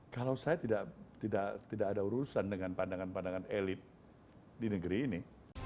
kalau saya tidak ada urusan dengan pandangan pandangan elit di negeri ini